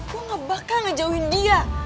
gue gak bakal ngejauhin dia